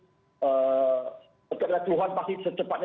sebenarnya tuhan pasti secepatnya